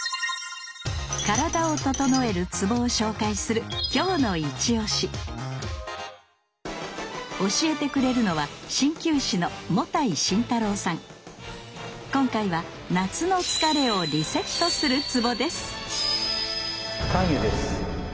体をととのえるツボを紹介する教えてくれるのは鍼灸師の今回は夏の疲れをリセットするツボです